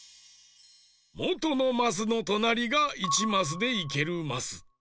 もとのマスのとなりが１マスでいけるマス。